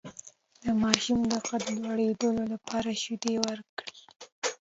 د ماشوم د قد د لوړیدو لپاره شیدې ورکړئ